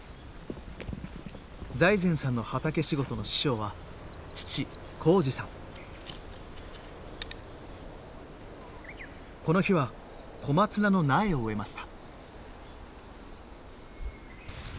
財前さんの畑仕事の師匠はこの日は小松菜の苗を植えました。